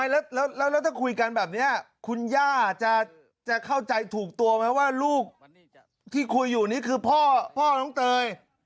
แล้วถ้าคุยกันแบบนี้คุณย่าจะเข้าใจถูกตัวไหมว่าลูกที่คุยอยู่นี่คือพ่อน้องเตย